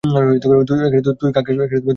তুই কাকে সন্দেহ করছিস?